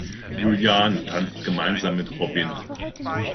Juliane tanzt gemeinsam mit Robin.